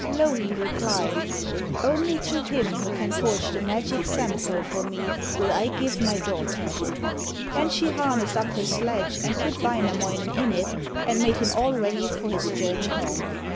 Louhi replied: 'Only to him who can forge the magic Sampo for me will I give my daughter.' Then she harnessed up her sledge and put Wainamoinen in it and made him all ready for his journey home.